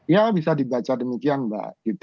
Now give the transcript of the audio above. ya bisa dibaca demikian mbak